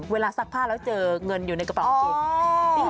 ซักผ้าแล้วเจอเงินอยู่ในกระเป๋ากางเกง